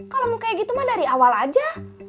kalau mau kayak gitu mah dari awal aja